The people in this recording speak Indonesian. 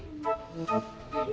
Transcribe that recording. udah jauh banget tuh camer